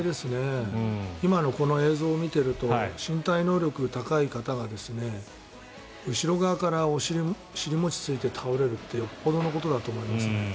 今のこの映像を見ていると身体能力、高い方が後ろ側から尻餅をついて倒れるってよほどのことだと思いますね。